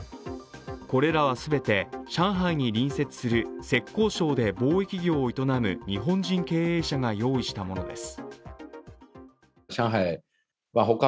これらは全て上海に隣接する浙江省で貿易業を営む日本人経営者が用意したものです。